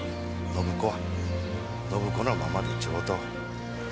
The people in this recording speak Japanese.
暢子は暢子のままで上等。